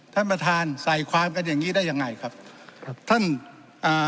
ท่านประธานใส่ความกันอย่างงี้ได้ยังไงครับครับท่านอ่า